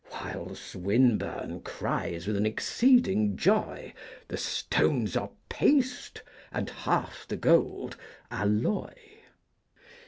While Swinburne cries with an exceeding joy, the stones are paste, and half the gold, alloy.